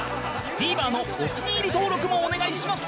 ＴＶｅｒ のお気に入り登録もお願いします